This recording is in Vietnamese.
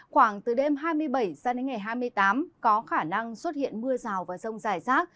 khoảng từ đêm hai mươi bảy sang đến ngày hai mươi tám có khả năng xuất hiện mưa rào và rông dài rác